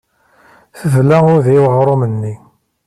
Teḍla udi i weɣrum-nni.